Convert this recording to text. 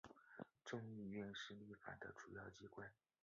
众议院是立法的主要机关。